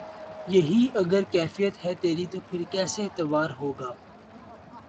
یہی اگر کیفیت ہے تیری تو پھر کسے اعتبار ہوگا